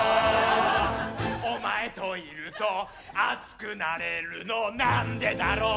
「お前といると熱くなれるのなんでだろう」